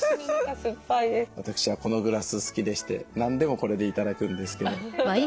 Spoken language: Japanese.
私はこのグラス好きでして何でもこれで頂くんですけど。